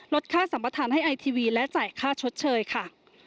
ค่าสัมประธานให้ไอทีวีและจ่ายค่าชดเชยค่ะ